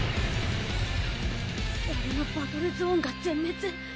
俺のバトルゾーンが全滅。